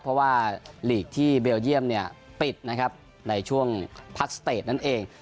เพราะว่าลีกที่เบลเยี่ยมเนี่ยปิดนะครับในช่วงพักสเตจนั่นเอง